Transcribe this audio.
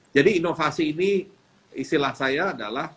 jadi inovasi ini istilah saya adalah